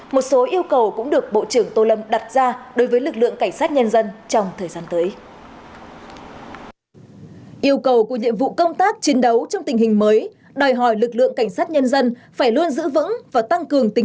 một số yêu cầu cũng được bộ trưởng tô lâm đặt ra đối với lực lượng cảnh sát nhân dân trong thời gian tới